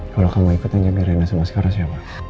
kalau kamu ikut ngejami rina sama skara siapa